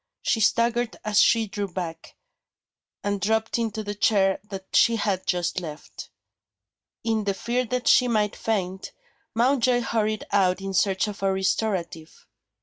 She staggered as she drew back, and dropped into the chair that she had just left. In the fear that she might faint, Mountjoy hurried out in search of a restorative.